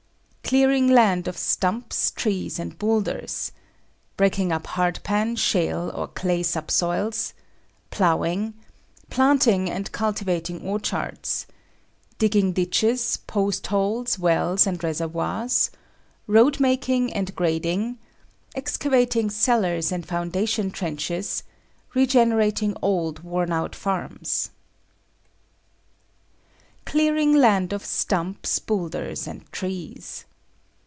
=Clearing Land of Stumps, Trees and Boulders,= =Breaking up Hard Pan, Shale, or Clay Subsoils,= =Plowing,= =Planting and Cultivating Orchards,= =Digging Ditches, Post Holes, Wells and Reservoirs,= =Road Making and Grading,= =Excavating Cellars and Foundation Trenches,= =Regenerating Old, Worn out Farms.= Clearing Land of Stumps, Boulders and Trees.